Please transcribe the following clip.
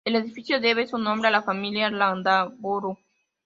El edificio debe su nombre a la familia Landaburu.